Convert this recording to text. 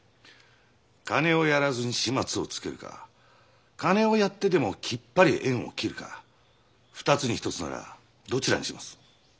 金をやらずに始末をつけるか金をやってでもきっぱり縁を切るか２つに１つならどちらにします？